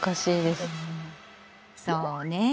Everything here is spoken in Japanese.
そうねぇ。